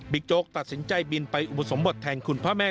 บิ๊กโจ๊กตัดสินใจบินไปอุบุษมตรแทนคุณพระมีต